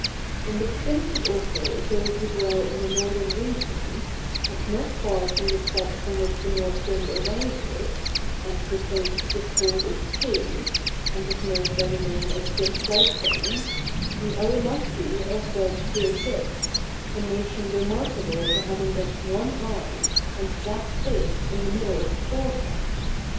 In the vicinity also of those who dwell in the northern regions, and not far from the spot from which the north wind arises, and the place which is called its cave, and is known by the name of Geskleithron, the Arimaspi are said to exist, a nation remarkable for having but one eye, and that placed in the middle of the forehead.